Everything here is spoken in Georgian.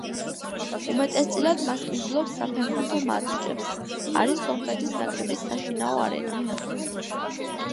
უმეტესწილად მასპინძლობს საფეხბურთო მატჩებს, არის სომხეთის ნაკრების საშინაო არენა.